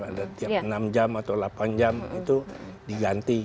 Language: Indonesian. ada tiap enam jam atau delapan jam itu diganti